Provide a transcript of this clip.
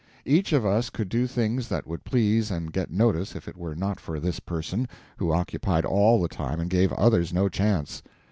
Each of us could do things that would please and get notice if it were not for this person, who occupied all the time and gave others no chance.